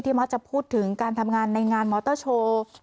มักจะพูดถึงการทำงานในงานมอเตอร์โชว์